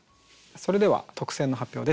それでは特選の発表です。